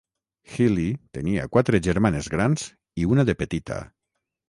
Healey tenia quatre germanes grans i una de petita.